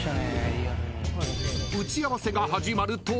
［打ち合わせが始まると］